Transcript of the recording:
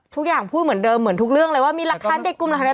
ทุกอย่างพูดเหมือนเดิมเหมือนทุกเรื่องเลยว่ามีหลักฐานเด็ดกลุ่มหลักฐาน